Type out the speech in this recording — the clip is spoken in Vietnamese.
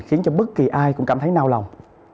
khiến cho bất kỳ ai cũng cảm thấy đau lòng